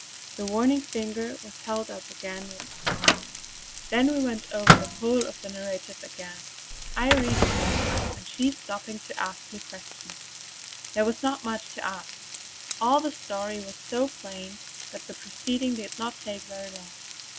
The warning finger was held up again with a smile. Then we went over the whole of the narrative again, I reading this time and she stopping to ask me questions. There was not much to ask; all the story was so plain that the proceeding did not take very long.